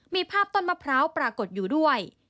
มีภาพต้นมะพร้าวปรากฏอยู่ด้วย